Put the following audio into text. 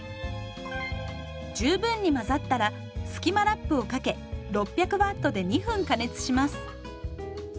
十分に混ざったらスキマラップをかけ６００Ｗで２分加熱します。